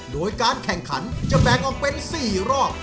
โดยการแข่งขันจะแบ่งออกเป็น๔รอบ